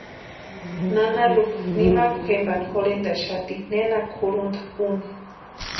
Nana Lupa nimakwa jempani jorhentʼaxati nena kʼurhunta úni.